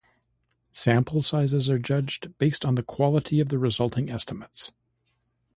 Sample sizes are judged based on the quality of the resulting estimates.